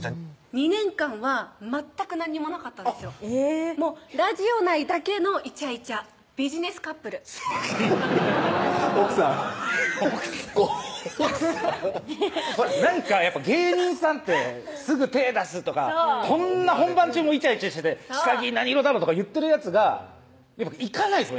２年間は全く何もなかったんですもうラジオ内だけのイチャイチャビジネスカップル奥さん奥さんなんか芸人さんってすぐ手出すとかこんな本番中もイチャイチャしてて「下着何色だろ」とか言ってるヤツがいかないです